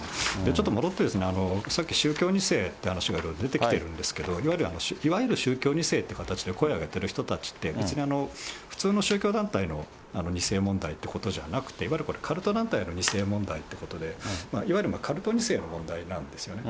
ちょっと戻って、さっき、宗教２世という話が出てきてるんですけど、いわゆる宗教２世っていう形で声を上げている人たちって、別に普通の宗教団体の２世問題ってことじゃなくて、いわゆるカルト団体の２世問題ということで、いわゆるカルト２世の問題なんですよね。